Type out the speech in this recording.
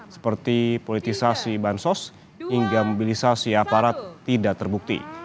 seperti politisasi bansos hingga mobilisasi aparat tidak terbukti